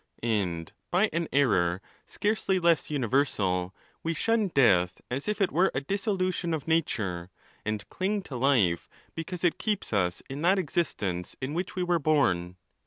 . And by an error scarcely less universal, we shun death as if it were a dissolution of nature, and cling to life because it keeps us in that existence in which we were born.